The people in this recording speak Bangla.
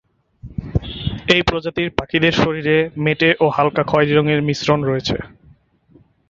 এই প্রজাতির পাখিদের শরীরে মেটে ও হালকা খয়েরি রঙের মিশ্রণ রয়েছে।